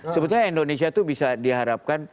sebetulnya indonesia itu bisa diharapkan